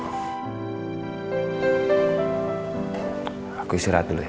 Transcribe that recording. hai aku istirahat dulu ya oh ya